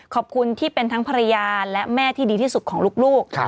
ขอบคุณที่เป็นทั้งภรรยาและแม่ที่ดีที่สุดของลูก